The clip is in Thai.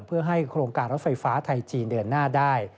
เพื่อให้โครงการรถไฟฟ้าไทยจีนเดินหน้าได้